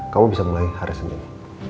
kamu bisa mulai hari senin